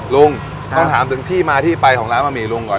ลุงต้องถามถึงที่มาที่ไปของร้านบะหมี่ลุงก่อน